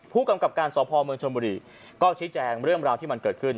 ผู้กำกับการสพเมืองชนบุรีก็ชี้แจงเรื่องราวที่มันเกิดขึ้น